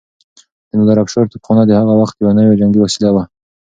د نادرافشار توپخانه د هغه وخت يو نوی جنګي وسيله وه.